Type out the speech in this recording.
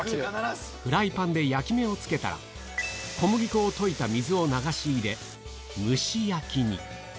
フライパンで焼き目をつけたら、小麦粉を溶いた水を流し入れ、蒸し焼きに。